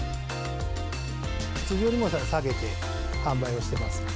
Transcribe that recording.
通常よりも下げて販売をしてますね。